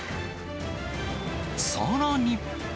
さらに。